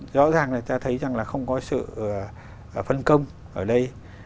rõ ràng là ta thấy rằng là không có sự phân công ở đây